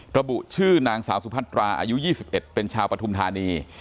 ระบุชื่อนางสาวสุพัตราอายุ๒๑เป็นชาวปฐุมธานี